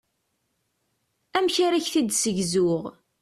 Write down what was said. Amek ara k-t-id-ssegzuɣ?